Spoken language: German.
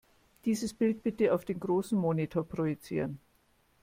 Dieses Bild bitte auf den großen Monitor projizieren.